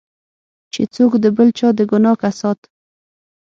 چې څوک د بل چا د ګناه کسات.